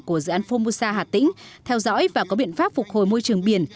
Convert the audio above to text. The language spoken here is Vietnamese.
của dự án formosa hà tĩnh theo dõi và có biện pháp phục hồi môi trường biển